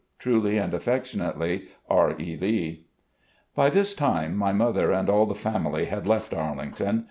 "Truly and affectionately, R. E. Lee." By this time my mother and all the family had left Arlington.